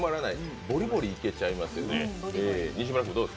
ボリボリいけちゃいますよね。